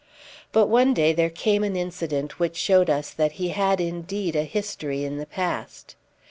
But one day there came an incident which showed us that he had indeed a history in the past.